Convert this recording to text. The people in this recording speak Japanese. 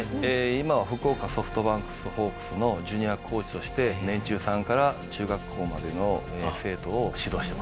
今は福岡ソフトバンクホークスのジュニアコーチとして年中さんから中学校までの生徒を指導してます。